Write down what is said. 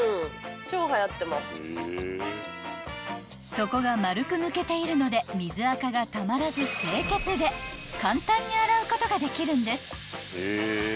［底が丸く抜けているので水あかがたまらず清潔で簡単に洗うことができるんです］